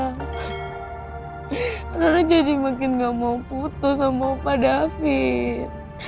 rana jadi makin gak mau putus sama opa dapin